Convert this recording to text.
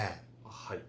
はい。